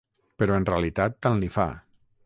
Però en realitat, tant li fa.